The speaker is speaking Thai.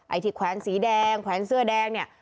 ไอ้ที่แขวนสีแดงแขวนเสื้อแดงเนี่ย